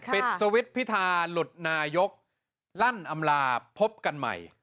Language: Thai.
ปิดสวิตช์พิธาหลุดนายกลั่นอำลาพบกันใหม่